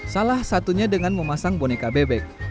salah satunya dengan memasang boneka bebek